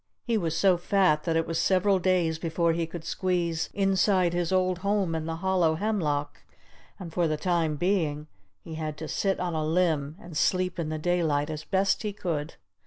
He was so fat that it was several days before he could squeeze inside his old home in the hollow hemlock. And for the time being he had to sit on a limb and sleep in the daylight as best he could.